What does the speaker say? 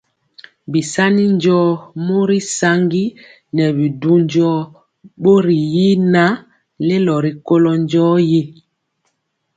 Bisani njɔɔ mori saŋgi nɛ bi du njɔɔ bori y naŋ lelo rikolo njɔɔtyi.